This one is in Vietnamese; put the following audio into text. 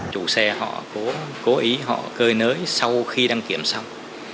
chủ xe họ cố ý họ cơi nới sau khi đăng kiểm xong